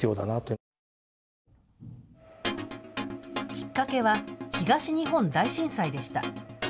きっかけは東日本大震災でした。